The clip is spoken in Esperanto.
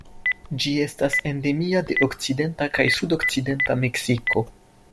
Ĝi estas endemia de okcidenta kaj sudokcidenta Meksiko.